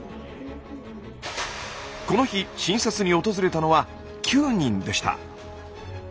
この日診察に訪れたのは９人でした。